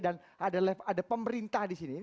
dan ada pemerintah di sini